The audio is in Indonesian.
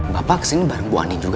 bapak kesini bareng bu andin juga